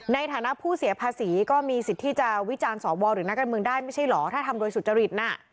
ในฐานะผู้เสียภาษีก็มีสิทธิ์ที่จะวิจารณ์สวหรือนักการเมืองได้ไม่ใช่เหรอถ้าทำโดยสุจริตน่ะ